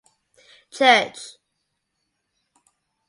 Church.